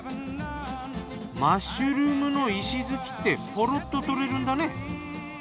マッシュルームの石づきってポロっと取れるんだね。